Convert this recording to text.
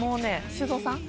修造さん